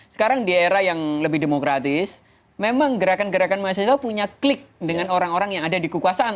sekarang di era yang lebih demokratis memang gerakan gerakan mahasiswa punya klik dengan orang orang yang ada di kekuasaan